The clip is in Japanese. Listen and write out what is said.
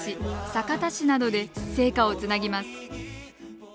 酒田市などで聖火をつなぎます。